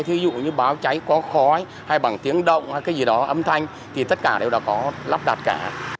thí dụ như báo cháy có khói hay bằng tiếng động hay cái gì đó âm thanh thì tất cả đều đã có lắp đặt cả